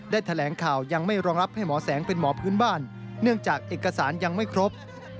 แถลงข่าวยังไม่รองรับให้หมอแสงเป็นหมอพื้นบ้านเนื่องจากเอกสารยังไม่ครบ